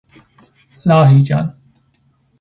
لاهیجان